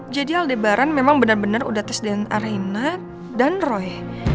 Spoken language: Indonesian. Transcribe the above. jadi aldebaran memang benar benar udah tes dna reina dan roy